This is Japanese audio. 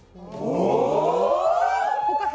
お。